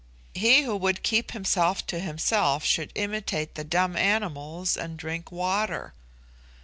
He who would keep himself to himself should imitate the dumb animals, and drink water.